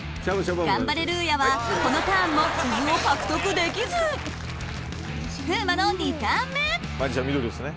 ガンバレルーヤはこのターンも鈴を獲得できず風磨の２ターン目マジシャン緑ですね。